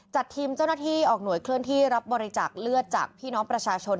จัดทีมเจ้าหน้าที่ออกหน่วยเคลื่อนที่รับบริจาคเลือดจากพี่น้องประชาชน